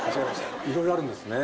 いろいろあるんですね。